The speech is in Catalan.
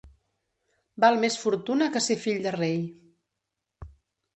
Val més fortuna que ser fill de rei.